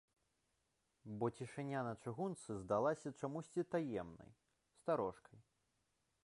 Бо цішыня на чыгунцы здалася чамусьці таемнай, старожкай.